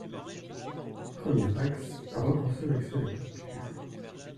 Premier axe : repenser l’accès à la culture.